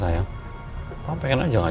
iya kayaknya dia daftar ngerulis